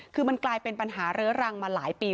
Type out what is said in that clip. คือมันกลายเป็นปัญหาเรื้อรังมาหลายปี